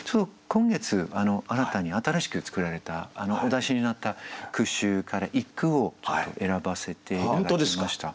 今月新たに新しく作られたお出しになった句集から一句をちょっと選ばせて頂きました。